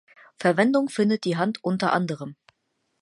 Verwendung findet die Hand unter anderem